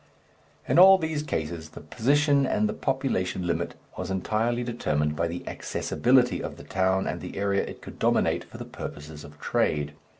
In all these cases the position and the population limit was entirely determined by the accessibility of the town and the area it could dominate for the purposes of trade.